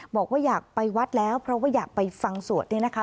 บอกว่าอยากไปวัดแล้วเพราะว่าอยากไปฟังสวดเนี่ยนะคะ